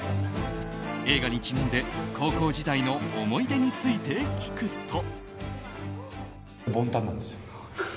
映画にちなんで高校時代の思い出について聞くと。